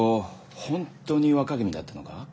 本当に若君だったのか？